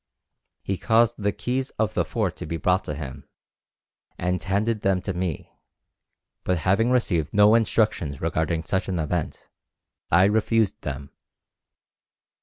"He caused the keys of the fort to be brought to him and handed them to me, but having received no instructions regarding such an event, I refused them.